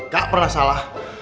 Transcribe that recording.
gak pernah salah